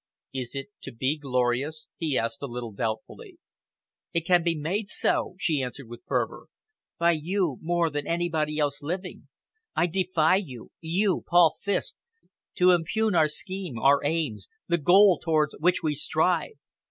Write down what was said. "Is it to be glorious?" he asked a little doubtfully. "It can be made so," she answered with fervour, "by you more than by anybody else living. I defy you you, Paul Fiske to impugn our scheme, our aims, the goal towards which we strive.